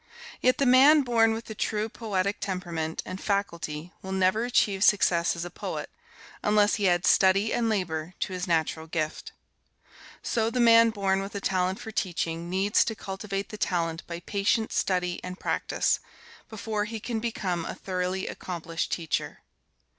Yet the man born with the true poetic temperament and faculty will never achieve success as a poet, unless he add study and labor to his natural gift. So the man born with a talent for teaching needs to cultivate the talent by patient study and practice, before he can become a thoroughly accomplished teacher.